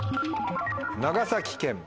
「長崎県」。